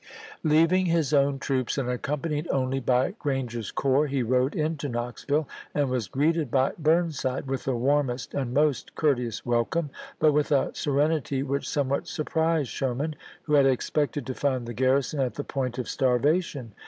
pp^543^544. Leaving his own troops, and accompanied only by Granger's corps, he rode into Knoxville, and was greeted by Burnside with the warmest and most courteous welcome, but with a serenity which somewhat surprised Sherman, who had expected to find the garrison at the point of starvation.